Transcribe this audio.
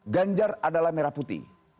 ganjar adalah merah putih